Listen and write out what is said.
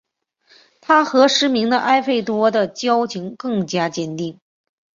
他和失明的艾费多的交情更加坚定。